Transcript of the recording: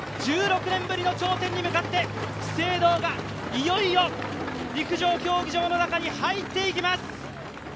１６年ぶりの頂点に向かって資生堂がいよいよ陸上競技場の中に入っていきます。